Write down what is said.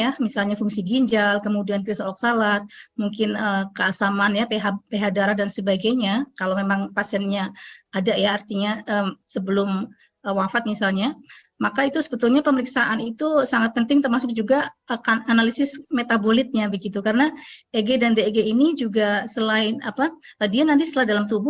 karena eg dan deg ini juga selain dia nanti setelah dalam tubuh akan dimetabolisir menjadi metabolit toksiknya